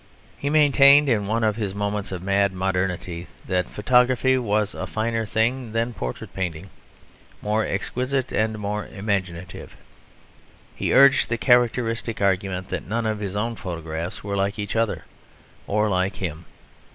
He maintained (in one of his moments of mad modernity) that photography was a finer thing than portrait painting, more exquisite and more imaginative; he urged the characteristic argument that none of his own photographs were like each other or like him.